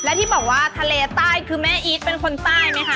และที่บอกว่าทะเลใต้คือแม่อีทเป็นคนใต้ไหมคะ